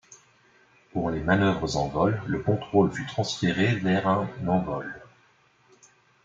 Pour les manœuvres en vol, le contrôle fut transféré vers un en vol.